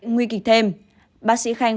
nguy kịch thêm bác sĩ khanh